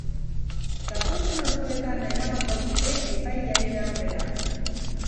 Datozen orduetan eramango dute epailearen aurrera.